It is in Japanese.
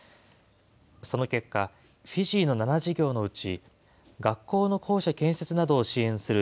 その結果、フィジーの７事業のうち、学校の校舎建設などを支援する